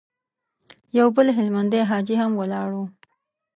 يو بل هلمندی حاجي هم ولاړ و.